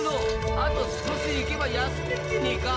あと少し行けば休めるでねえか！